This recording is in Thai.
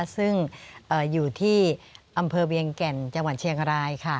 ซึ่งอยู่ที่อำเภอเวียงแก่นจังหวัดเชียงราย